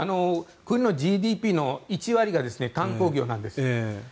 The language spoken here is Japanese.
国のＧＤＰの１割が観光業なんです。